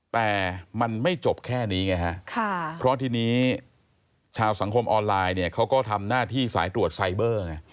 แต่มันไม่จบแค่นี้ไงฮะเพราะทีนี้ชาวสังคมออนไลน์เนี่ยเขาก็ทำหน้าที่สายตรวจไซเบอร์ไง